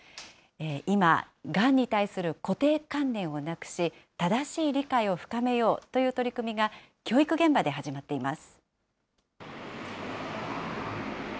今、がんに対する固定観念をなくし、正しい理解を深めようという取り組みが、教育現場で始まっています。